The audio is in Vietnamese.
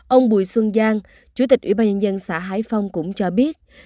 ông bùi xuân giang chủ tịch ủy ban nhân dân xã hải phong cũng cho biết